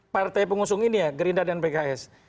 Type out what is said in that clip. partai pengusung ini ya gerindra dan pks